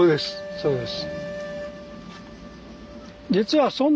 そうです。